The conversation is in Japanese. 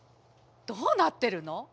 どうなってるの！？